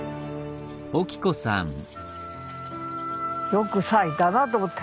よく咲いたなあと思って。